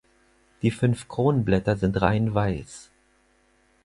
Die fünf Kronblätter sind rein weiß.